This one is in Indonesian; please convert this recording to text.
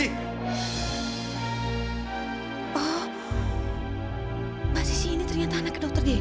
oh mbak sissy ini ternyata anaknya dokter denny